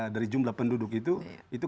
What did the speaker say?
dari jumlah penduduk itu itu